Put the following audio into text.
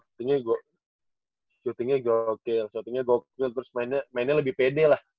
shootingnya gokil terus mainnya lebih pede lah